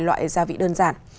loại gia vị đơn giản